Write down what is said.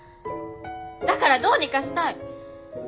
だからどうにかしたい。